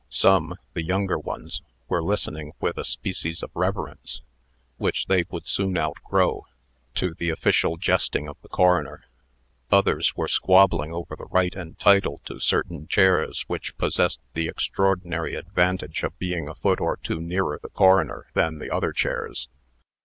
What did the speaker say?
Some the younger ones were listening with a species of reverence, which they would soon outgrow, to the official jesting of the coroner. Others were squabbling over the right and title to certain chairs which possessed the extraordinary advantage of being a foot or two nearer the coroner than the other chairs.